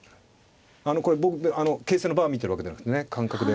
あのこれ僕形勢のバー見てるわけじゃなくてね感覚で。